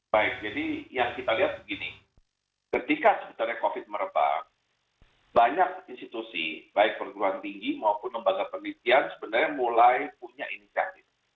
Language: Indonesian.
baik jadi yang kita lihat begini ketika sebetulnya covid merebak banyak institusi baik perguruan tinggi maupun lembaga penelitian sebenarnya mulai punya inisiatif